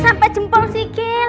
sampai jempol sikil